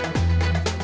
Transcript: saya juga ngantuk